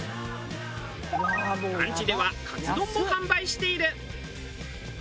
ランチではかつ丼も販売している。